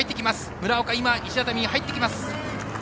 村岡、石畳に入ってきます。